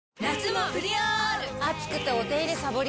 暑くてお手入れさぼりがち。